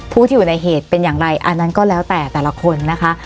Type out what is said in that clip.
ผู้ที่อยู่ในเหตุเป็นอย่างไรอันนั้นก็แล้วแต่แต่ละคนนะคะ